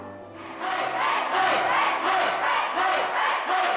はい！